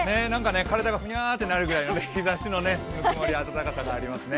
体がふにゃとなるぐらいの日ざしの温もり、暖かさがありますね。